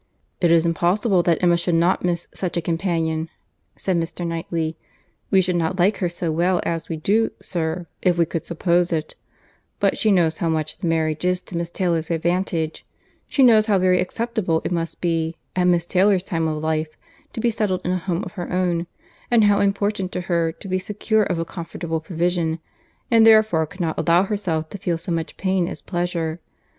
"It is impossible that Emma should not miss such a companion," said Mr. Knightley. "We should not like her so well as we do, sir, if we could suppose it; but she knows how much the marriage is to Miss Taylor's advantage; she knows how very acceptable it must be, at Miss Taylor's time of life, to be settled in a home of her own, and how important to her to be secure of a comfortable provision, and therefore cannot allow herself to feel so much pain as pleasure.